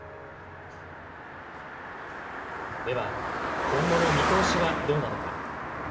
では、今後の見通しはどうなのか。